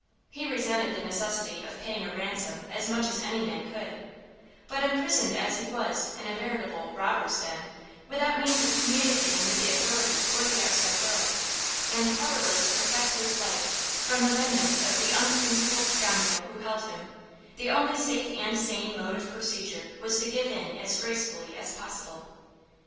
He resented the necessity of paying a ransom as much as any man could; but imprisoned as he was in a veritable "robbers' den," without means of communicating with the authorities or the outside world, and powerless to protect his life from the vengeance of the unprincipled scoundrel who held him, the only safe and sane mode of procedure was to give in as gracefully as possible.